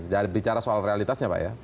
ya bicara soal realitasnya pak ya